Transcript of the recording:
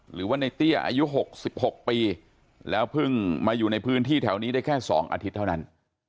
หรือว่าในเตี้ยอายุ๖๖ปีแล้วเพิ่งมาอยู่ในพื้นที่แถวนี้ได้แค่๒อาทิตย์เท่านั้น